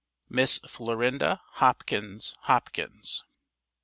Miss Florinda Hopkins Hopkins.